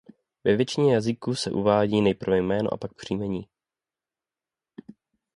Ve většině jazyků se uvádí nejprve jméno a pak příjmení.